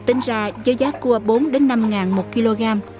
nếu tính ra với giá cua bốn năm một kg